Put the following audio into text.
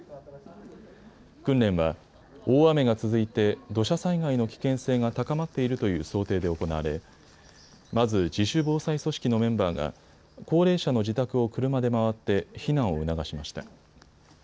訓練は大雨が続いて土砂災害の危険性が高まっているという想定で行われまず自主防災組織のメンバーが高齢者の自宅を車で回って避難を促しました。